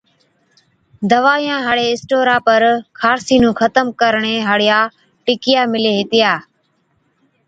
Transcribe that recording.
دوائِيان هاڙي اسٽورا پر خارسي نُون ختم ڪرڻي هاڙِيا ٽِڪِيا مِلي هِتِيا۔